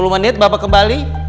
sepuluh menit bapak kembali